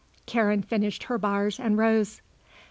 Karen finished her bars and rose.